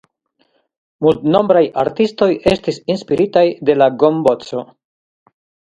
Multnombraj artistoj estis inspiritaj de la gomboco.